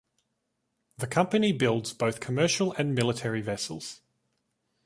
The company builds both commercial and military vessels.